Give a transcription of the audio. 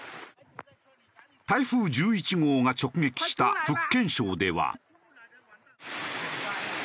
台風１１号が直撃した福建省では。